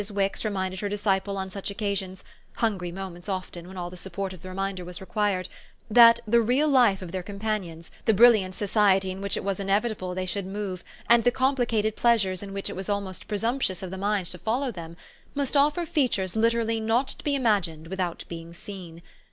Wix reminded her disciple on such occasions hungry moments often, when all the support of the reminder was required that the "real life" of their companions, the brilliant society in which it was inevitable they should move and the complicated pleasures in which it was almost presumptuous of the mind to follow them, must offer features literally not to be imagined without being seen.